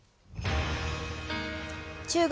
中国